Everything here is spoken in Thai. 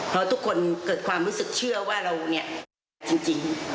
เพราะทุกคนเกิดความรู้สึกเชื่อว่าเราเนี่ยจริง